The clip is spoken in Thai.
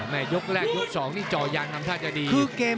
ในยกแรกยกสองที่จอยังทำสร้างจะดี